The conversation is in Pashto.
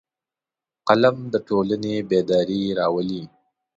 قلم د ټولنې بیداري راولي